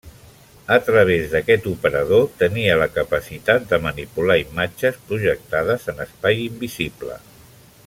A través d'aquest operador tenia la capacitat de manipular imatges projectades en espai invisible.